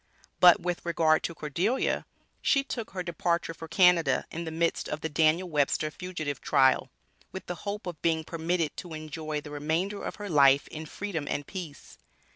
But with regard to Cordelia: she took her departure for Canada, in the midst of the Daniel Webster (fugitive) trial, with the hope of being permitted to enjoy the remainder of her life in Freedom and peace.